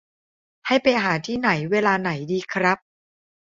ให้ไปหาที่ไหนเวลาไหนดีครับ